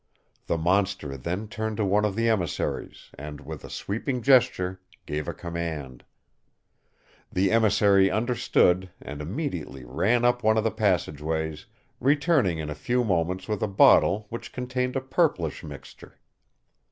The monster then turned to one of the emissaries and, with a sweeping gesture, gave a command. The emissary understood and immediately ran up one of the passageways, returning in a few moments with a bottle which contained a purplish mixture.